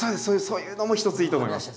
そういうのも一ついいと思います